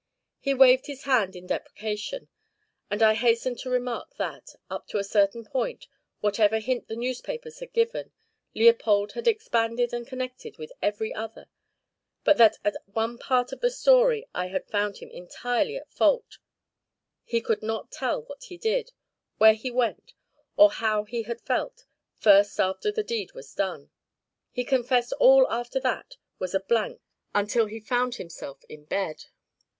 He waved his hand in deprecation, and I hastened to remark that, up to a certain point, whatever hint the newspapers had given, Leopold had expanded and connected with every other, but that at one part of the story I had found him entirely at fault: he could not tell what he did, where he went, or how he had felt, first after the deed was done. He confessed all after that was a blank until he found himself in bed.